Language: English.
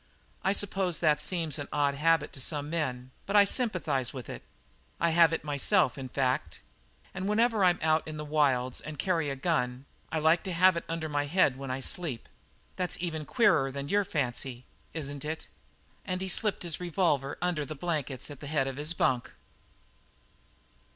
"I suppose that seems an odd habit to some men, but I sympathize with it. I have it myself, in fact. And whenever I'm out in the wilds and carry a gun I like to have it under my head when I sleep. That's even queerer than your fancy, isn't it?" And he slipped his revolver under the blankets at the head of his bunk.